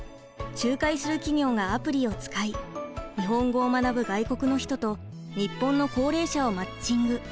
仲介する企業がアプリを使い日本語を学ぶ外国の人と日本の高齢者をマッチング。